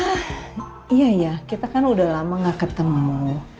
eh iya iya kita kan udah lama gak ketemu